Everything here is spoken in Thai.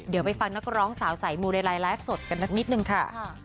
เดี๋ยวไปฟังนักร้องสาวสายมูเรไลน์ไลฟ์สดกันสักนิดนึงค่ะ